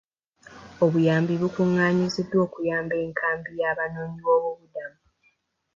Obuyambi bukungaanyiziddwa okuyamba enkambi y'abanoonyiboobubudamu.